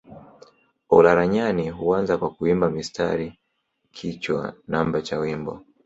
Olaranyani huanza kwa kuimba mstari kichwa namba cha wimbo